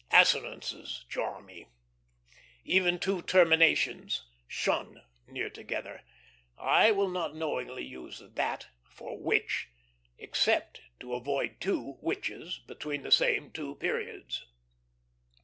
Assonances jar me, even two terminations "tion" near together. I will not knowingly use "that" for "which," except to avoid two "whiches" between the same two periods.